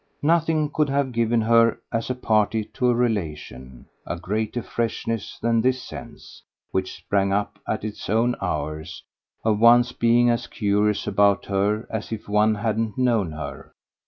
Nothing could have given her, as a party to a relation, a greater freshness than this sense, which sprang up at its own hours, of one's being as curious about her as if one hadn't known her.